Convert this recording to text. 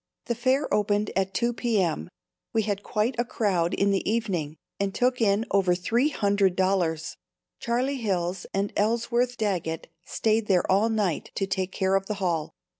The fair opened at 2 p.m. We had quite a crowd in the evening and took in over three hundred dollars. Charlie Hills and Ellsworth Daggett stayed there all night to take care of the hall.